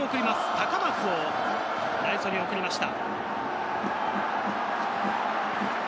高松を代走に送りました。